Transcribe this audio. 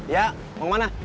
ya mau ke mana